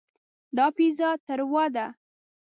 دا پیزا تروه ده.